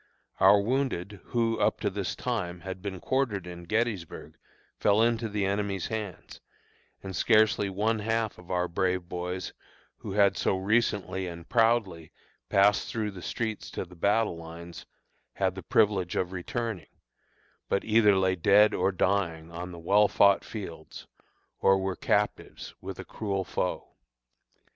Our wounded, who, up to this time, had been quartered in Gettysburg, fell into the enemy's hands, and scarcely one half of our brave boys, who had so recently and proudly passed through the streets to the battle lines, had the privilege of returning, but either lay dead or dying on the well fought fields, or were captives with a cruel foe.